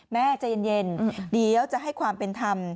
แม่ใจเย็นเดี๋ยวจะให้ความเป็นธรรม